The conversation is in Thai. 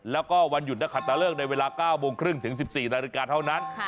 แล้วก็วันหยุดนักขัดตะเลิกในเวลา๙โมงครึ่งถึง๑๔นาฬิกาเท่านั้น